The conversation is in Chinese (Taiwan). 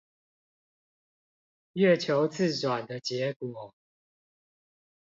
月球自轉的結果